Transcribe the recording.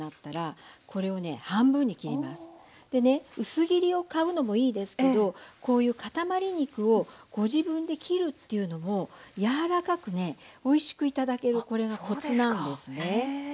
薄切りを買うのもいいですけどこういうかたまり肉をご自分で切るっていうのも柔らかくねおいしく頂けるこれがコツなんですね。